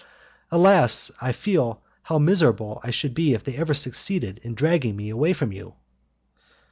Alas! I feel how miserable I should be if they ever succeeded in dragging me away from you!"